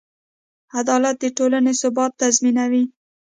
عدالت د ټولنې ثبات تضمینوي.